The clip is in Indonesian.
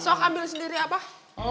sok ambil sendiri abah